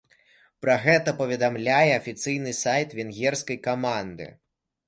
Пра гэта паведамляе афіцыйны сайт венгерскай каманды.